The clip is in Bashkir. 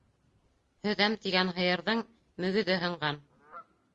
Һөҙәм тигән һыйырҙың мөгөҙө һынған.